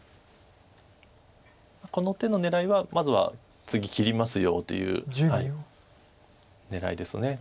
この手の狙いはまずは次切りますよという狙いです。